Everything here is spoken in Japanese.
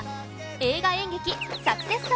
『映画演劇サクセス荘』。